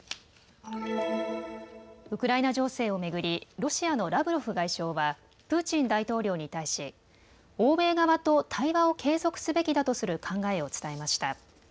ウクライナ情勢を巡り、ロシアのラブロフ外相はプーチン大統領に対し欧米側と対話を継続すべきだとする考えを伝えました。